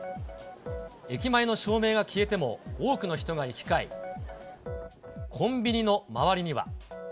駅前の照明が消えても、多くの人が行き交い、コンビニの周りには。